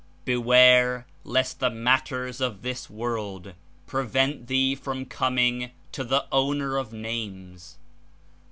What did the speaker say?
"Beware lest the matters of this world prevent thee from coming to the Owner of Names.